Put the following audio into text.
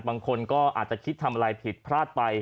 บางคนก็อาจจะคิดทำอะไรผิดพลาดไป